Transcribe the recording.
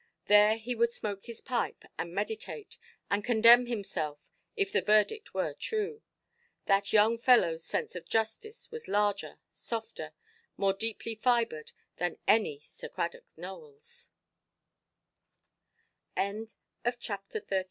There he would smoke his pipe, and meditate, and condemn himself, if the verdict were true. That young fellowʼs sense of justice was larger, softer, more deeply fibred, than any Sir Cradock Nowellʼs. CHAPTER XIV.